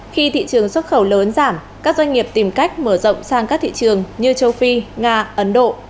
khi thị trường xuất khẩu lớn giảm các doanh nghiệp tìm cách mở rộng sang các thị trường như châu phi nga ấn độ